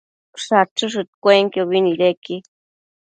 Shachëshëdcuenobi nidequi